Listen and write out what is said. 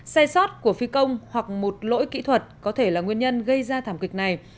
sai sót của phi công hoặc một lỗi kỹ thuật có thể là nguyên nhân gây ra thảm kịch này